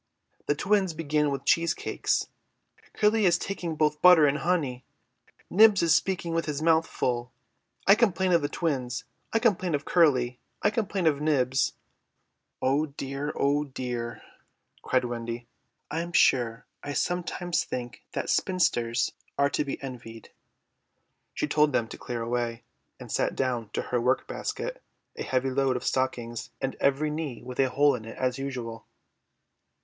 "The twins began with cheese cakes." "Curly is taking both butter and honey." "Nibs is speaking with his mouth full." "I complain of the twins." "I complain of Curly." "I complain of Nibs." "Oh dear, oh dear," cried Wendy, "I'm sure I sometimes think that spinsters are to be envied." She told them to clear away, and sat down to her work basket, a heavy load of stockings and every knee with a hole in it as usual.